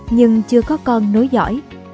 nhưng chưa có con nối giỏi